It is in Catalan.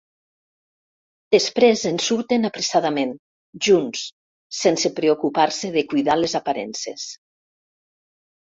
Després en surten apressadament, junts, sense preocupar-se de cuidar les aparences.